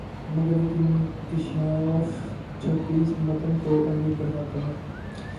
مگر ایک انکشاف جو کہ اس متن کو آگے بڑھاتا ہے